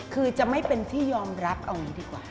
คือจะไม่เป็นที่ยอมรับเอางี้ดีกว่า